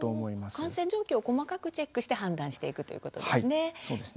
感染状況細かくチェックして判断していくということですね。